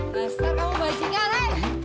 masa kamu bantingan leh